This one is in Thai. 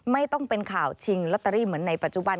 ไม่ต้องเป็นข่าวชิงลอตเตอรี่เหมือนในปัจจุบัน